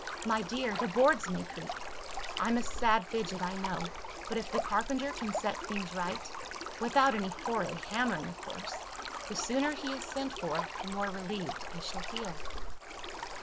My dear, the boards may creak! I'm a sad fidget, I know; but, if the carpenter can set things right without any horrid hammering, of course! the sooner he is sent for, the more relieved I shall feel."